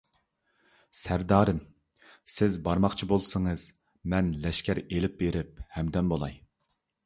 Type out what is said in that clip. سەردارىم، سىز بارماقچى بولسىڭىز، مەن لەشكەر ئېلىپ بېرىپ ھەمدەم بولاي.